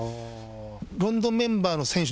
ロンドンメンバーの選手